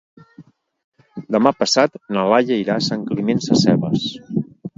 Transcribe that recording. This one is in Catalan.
Demà passat na Laia irà a Sant Climent Sescebes.